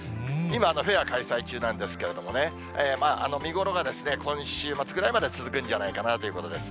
今、フェア開催中なんですけれどもね、見頃が今週末ぐらいまで続くんじゃないかなということです。